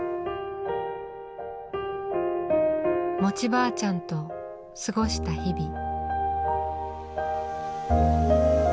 餅ばあちゃんと過ごした日々。